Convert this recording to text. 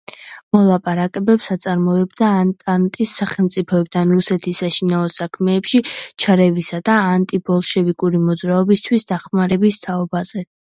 მოლაპარაკებებს აწარმოებდა ანტანტის სახელმწიფოებთან რუსეთის საშინაო საქმეებში ჩარევისა და ანტიბოლშევიკური მოძრაობისთვის დახმარების თაობაზე.